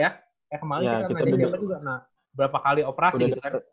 ya kemarin kita kan ngajakin dia juga nah berapa kali operasi gitu kan